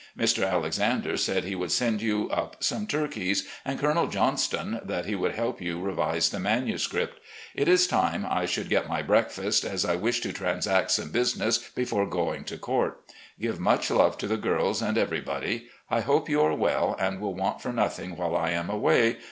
Mr. Alexander said he would send you up some turkeys, and Colonel Johnston, that he would help you revise the manuscript. It is time I should get my breakfast, as I wish to transact some business before going to court. Give much love to the girls and every body. I hope you are well and will want for nothing while I am away.